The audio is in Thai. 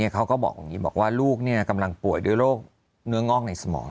เขาก็บอกว่าลูกกำลังป่วยโดยโรคเนื้องอกในสมอง